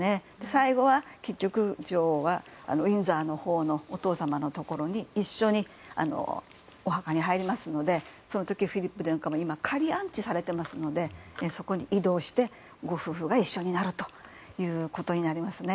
最後は、結局女王はウィンザーのほうのお父様のところに一緒にお墓に入りますのでその時、フィリップ殿下も今、仮安置されてますのでそこに移動してご夫婦が一緒になることになります。